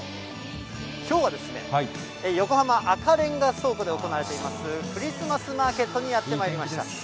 きょうは横浜赤レンガ倉庫で行われています、クリスマスマーケットにやってまいりました。